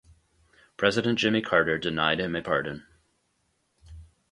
President Jimmy Carter denied him a pardon.